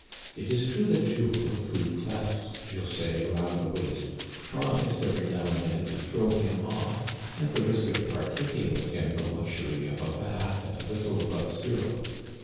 It is true that Jules, who clasps José around the waist, tries every now and then to throw him off, at the risk of partaking with him the luxury of a bath at a little above zero.